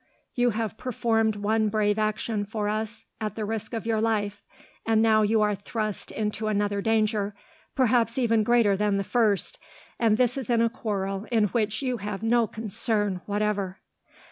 You have performed one brave action for us, at the risk of your life, and now you are thrust into another danger, perhaps even greater than the first, and this in a quarrel in which you have no concern whatever."